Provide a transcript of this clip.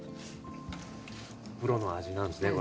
プロの味なんですねこれ。